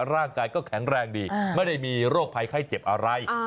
ร่างกายก็แข็งแรงดีไม่ได้มีโรคภัยไข้เจ็บอะไร